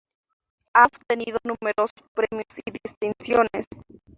Ha obtenido numerosos premios y distinciones.